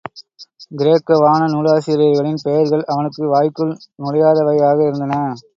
கிரேக்க வான நூலாசிரியர்களின் பெயர்கள் அவனுக்கு வாய்க்குள் நுழையாதவையாக இருந்தன.